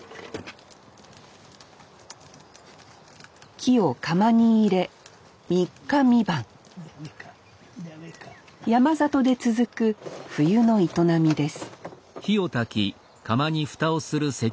木を窯に入れ３日３晩山里で続く冬の営みです